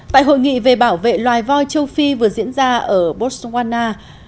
tại hội nghị về bảo vệ loài voi châu phi vừa diễn ra ở botswana